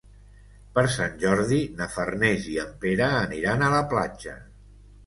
Per Sant Jordi na Farners i en Pere aniran a la platja.